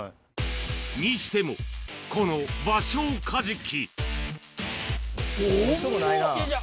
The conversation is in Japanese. にしても、このバショウカジキ。